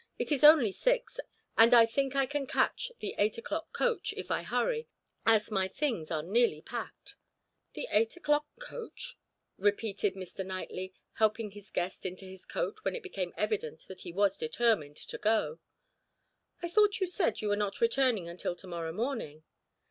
It is only six, and I think I can catch the eight o'clock coach, if I hurry, as my things are nearly packed." "The eight o'clock coach?" repeated Mr. Knightley, helping his guest into his coat when it became evident that he was determined to go. "I thought you said you were not returning until to morrow morning."